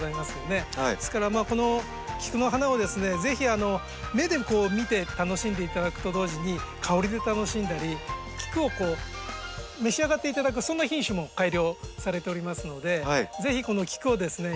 ですからこの菊の花をですね是非目でこう見て楽しんで頂くと同時に香りで楽しんだり菊をこう召し上がって頂くそんな品種も改良されておりますので是非この菊をですね